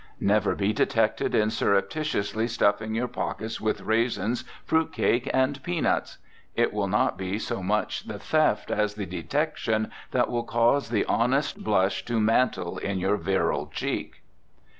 Never be detected in surreptitiously stuffing your pockets with raisins, fruit cake and peanuts. It will not be so much the theft as the detection that will cause the honest blush to mantle in your virile cheek.